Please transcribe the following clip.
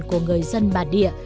của người dân bản địa